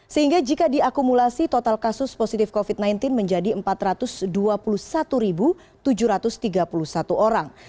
sehingga jika diakumulasi total kasus positif covid sembilan belas menjadi empat ratus dua puluh satu tujuh ratus tiga puluh satu orang